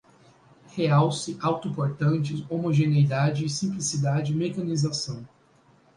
realce, auto-portantes, homogeneidade, simplicidade, mecanização